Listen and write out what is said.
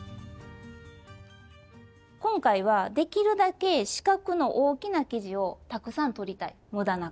今回はできるだけ四角の大きな生地をたくさんとりたいむだなく。